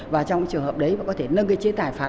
và trong trường hợp đấy mà có thể nâng cái chế tài phạt